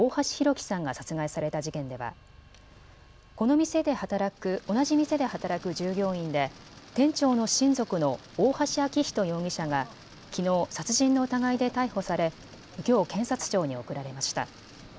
輝さんが殺害された事件では同じ店で働く従業員で店長の親族の大橋昭仁容疑者がきのう殺人の疑いで逮捕されきょう検察庁に送られました。